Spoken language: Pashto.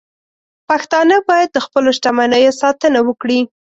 پښتانه باید د خپلو شتمنیو ساتنه وکړي.